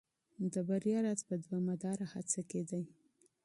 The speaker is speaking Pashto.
د بریا راز په دوامداره هڅه کي دی.